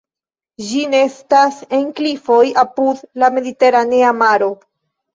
Ĝi nestas en klifoj apud la mediteranea maro.